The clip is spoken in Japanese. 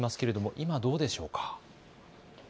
今、どうでしょうか。